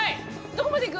どこまで行く？